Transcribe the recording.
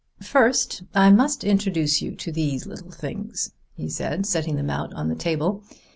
"First I must introduce you to these little things," he said, setting them out on the table.